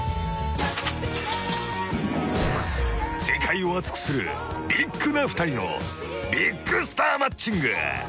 ［世界を熱くするビッグな２人のビッグスターマッチング］